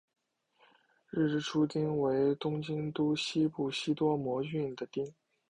日之出町为东京都西部西多摩郡的町。